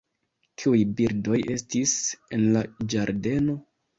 Kiuj birdoj estis en la ĝardeno?